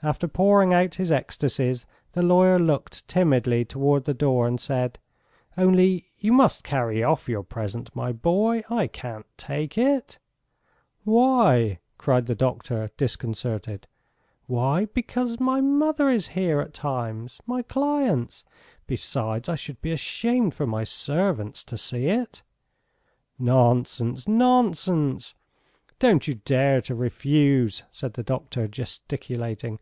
After pouring out his ecstasies the lawyer looked timidly towards the door and said: "Only you must carry off your present, my boy .... I can't take it. ..." "Why?" cried the doctor, disconcerted. "Why ... because my mother is here at times, my clients ... besides I should be ashamed for my servants to see it." "Nonsense! Nonsense! Don't you dare to refuse!" said the doctor, gesticulating.